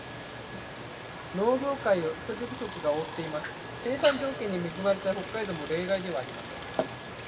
農業界を人手不足が覆っています。生産条件に恵まれた北海道も例外ではありません。